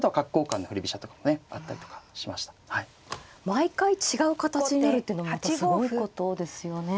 毎回違う形になるっていうのもまたすごいことですよね。